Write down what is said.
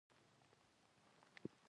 مچمچۍ د انسان د خوړو برخه ده